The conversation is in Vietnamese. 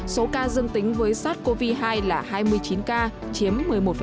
số ca dương tính với sars cov hai là hai mươi chín ca chiếm một mươi một